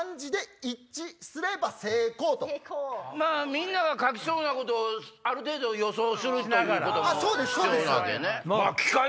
みんなが書きそうなことをある程度予想するということも必要なわけね。